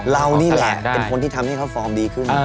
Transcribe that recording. เรานี่แหละเป็นคนที่ทำให้เขาฟอร์มดีขึ้น